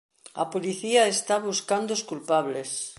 A policía está buscando os culpables.